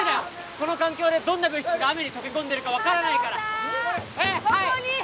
この環境でどんな物質が雨に溶け込んでるか分からないから加藤さーん！